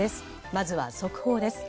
まずは速報です。